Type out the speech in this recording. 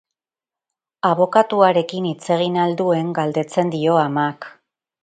Abokatuarekin hitz egin al duen, galdetzen dio amak.